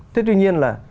thế tuy nhiên là